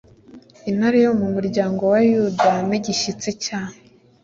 intare yo mu muryango wa yuda n igishyitsi cya